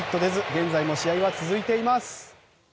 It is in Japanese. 現在も試合は続いています。